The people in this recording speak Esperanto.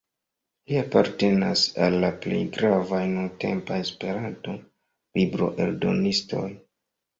Li apartenas al la plej gravaj nuntempaj Esperanto-libroeldonistoj.